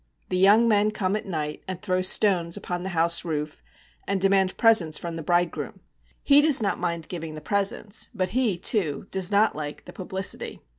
The young men come at night and throw stones upon the house roof, and demand presents from the bridegroom. He does not mind giving the presents; but he, too, does not like the publicity.